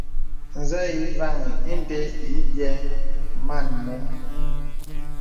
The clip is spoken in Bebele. Nzə̄ ǐ vaŋì inde ǐ byɛ̌ man mom.